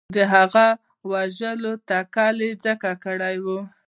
هغه د وژلو تکل یې ځکه کړی وو.